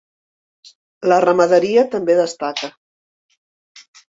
La ramaderia també destaca.